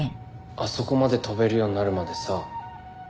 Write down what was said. あそこまで跳べるようになるまでさ